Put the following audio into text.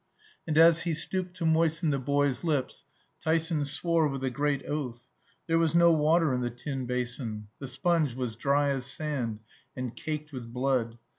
And as he stooped to moisten the boy's lips, Tyson swore with a great oath: there was no water in the tin basin; the sponge was dry as sand, and caked with blood.